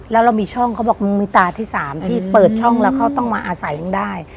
แล้วเรามีช่องเขาบอกมึงมีตาที่๓ที่เปิดช่องแล้วเขาต้องมาอาศัยมึงได้